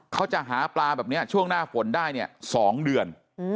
เขาจะหาปลาแบบนี้ช่วงหน้าฝนได้เนี่ย๒เดือน